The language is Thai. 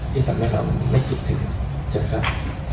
ที่ทำให้เราไม่คิดถึงเชิญครับ